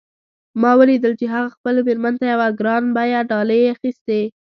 ما ولیدل چې هغه خپلې میرمن ته یوه ګران بیه ډالۍ اخیستې